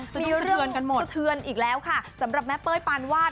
สะเทือนกันหมดสะเทือนอีกแล้วค่ะสำหรับแม่เป้ยปานวาด